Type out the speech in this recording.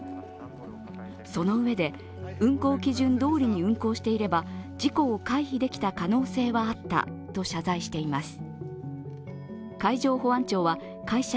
そのうえで、運航基準どおりに運航していれば事故を回避できた可能性はあったと謝罪しています。